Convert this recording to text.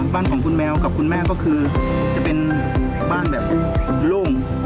บ้านของคุณแมวกับคุณแม่ก็คือจะเป็นบ้านแบบโล่ง